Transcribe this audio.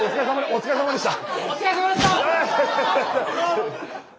お疲れさまでした！